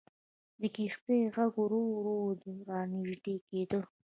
د کښتۍ ږغ ورو ورو را نژدې کېده.